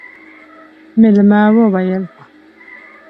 مېلمه وويل: